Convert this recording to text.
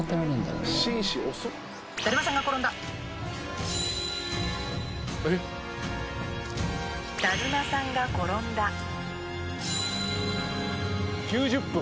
・だるまさんが転んだ・・だるまさんが転んだ・９０分。